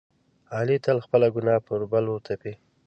علي تل خپله ګناه په بل ورتپي.